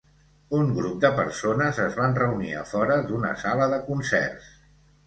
Un grup de persones es van reunir a fora d'una sala de concerts.